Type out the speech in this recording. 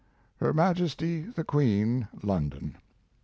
Her Majesty the Queen, London.